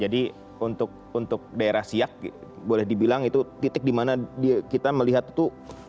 jadi untuk daerah siak boleh dibilang itu titik dimana kita melihat itu